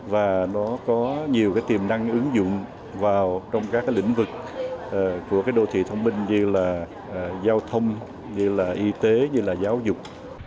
và nó có nhiều cái tiềm năng ứng dụng vào trong các lĩnh vực của đô thị thông minh như là giao thông như là y tế như là giáo dục